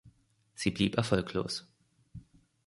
Sie blieb erfolglos.